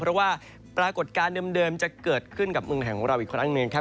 เพราะว่าปรากฏการณ์เดิมจะเกิดขึ้นกับเมืองไทยของเราอีกครั้งหนึ่งครับ